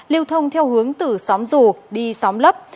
lưu thông theo hướng từ xóm rù đi xóm lấp